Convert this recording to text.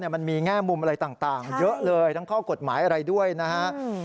มันมีแง่มุมอะไรต่างเยอะเลยทั้งข้อกฎหมายอะไรด้วยนะฮะ